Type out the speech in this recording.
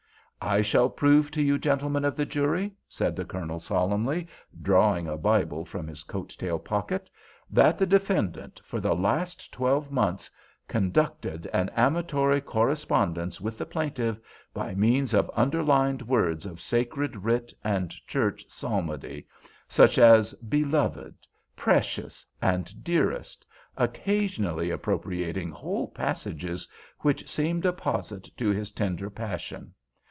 "I shall prove to you, gentlemen of the jury," said the Colonel, solemnly, drawing a Bible from his coat tail pocket, "that the defendant, for the last twelve months, conducted an amatory correspondence with the plaintiff by means of underlined words of sacred writ and church psalmody, such as 'beloved,' 'precious,' and 'dearest,' occasionally appropriating whole passages which seemed apposite to his tender passion.